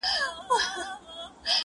پر ټول جهان دا ټپه پورته ښه ده ـ